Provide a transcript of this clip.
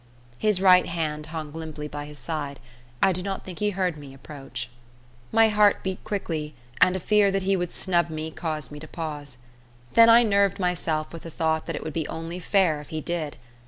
His right hand hung limply by his side. I do not think he heard me approach. My heart beat quickly, and a fear that he would snub me caused me to pause. Then I nerved myself with the thought that it would be only fair if he did.